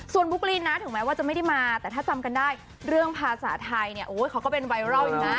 ส่วนบุ๊กลีนนะถึงแม้ว่าจะไม่ได้มาแต่ถ้าจำกันได้เรื่องภาษาไทยเนี่ยโอ้ยเขาก็เป็นไวรัลอยู่นะ